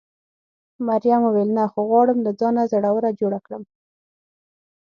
مريم وویل: نه، خو غواړم له ځانه زړوره جوړه کړم.